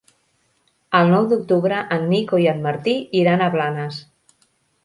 El nou d'octubre en Nico i en Martí iran a Blanes.